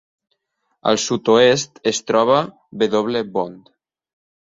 Al sud-oest es troba W. Bond.